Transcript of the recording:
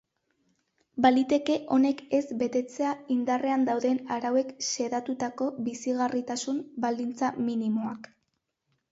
Baliteke honek ez betetzea indarrean dauden arauek xedatutako bizigarritasun baldintza minimoak.